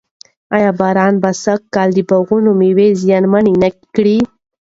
آیا باران به سږ کال د باغونو مېوه زیانمنه نه کړي؟